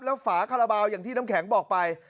แล้วฝาคาราบาลอย่างที่น้ำแข็งบอกไป